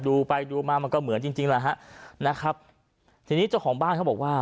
ดูไปดูมามันก็เหมือนจริงจริงแหละฮะนะครับทีนี้เจ้าของบ้านเขาบอกว่า